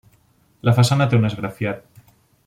La façana té un esgrafiat.